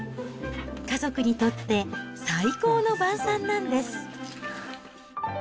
家族にとって、最高の晩さんなんです。